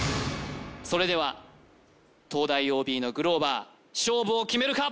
それでは東大ＯＢのグローバー勝負を決めるか？